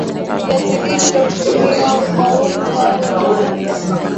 viazi lishe hutumiwa kama unga wa ugali